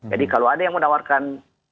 jadi kalau ada yang menawarkan